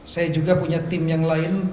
saya juga punya tim yang lain